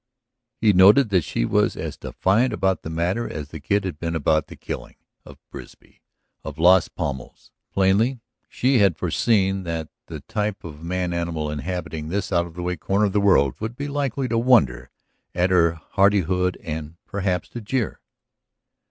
He noted that she was as defiant about the matter as the Kid had been about the killing of Bisbee of Las Palmas; plainly she had foreseen that the type of man animal inhabiting this out of the way corner of the world would be likely to wonder at her hardihood and, perhaps, to jeer.